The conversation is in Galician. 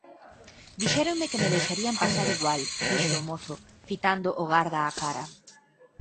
Dixéronme que me deixarían pasar igual —dixo o mozo, fitando o garda á cara.